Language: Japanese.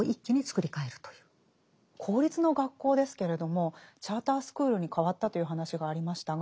公立の学校ですけれどもチャータースクールに変わったという話がありましたが。